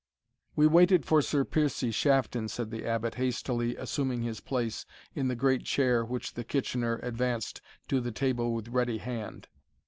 "We waited for Sir Piercie Shafton," said the Abbot, hastily assuming his place in the great chair which the Kitchener advanced to the table with ready hand.